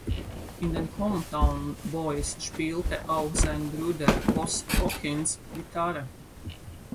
In den Hometown Boys spielte auch sein Bruder Boss Hawkins Gitarre.